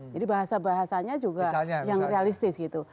jadi bahasa bahasanya juga yang realistis gitu